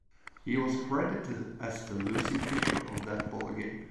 He was credited as the losing pitcher of that ballgame.